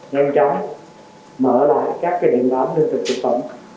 nhanh chóng mở lại các cái điện vám thương thực thực phẩm